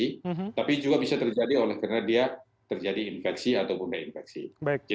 kita juga ada beberapa publik yang bronze